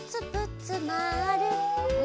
うん？